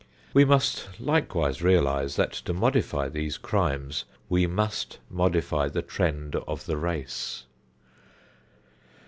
We must likewise realize that to modify these crimes we must modify the trend of the race.